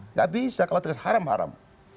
nggak bisa kalau kita haram haram